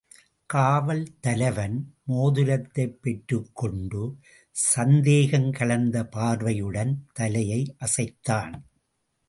காவல் தலைவன், மோதிரத்தைப் பெற்றுக் கொண்டு சந்தேகம் கலந்த பார்வையுடன் தலையை அசைத்தான்.